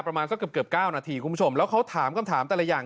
ประมาณสักเกือบเกือบเก้านาทีคุณผู้ชมแล้วเขาถามคำถามแต่ละอย่าง